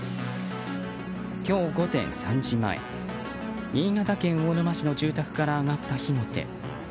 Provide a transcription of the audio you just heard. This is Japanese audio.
今日午前３時前、新潟県魚沼市の住宅から上がった火の手。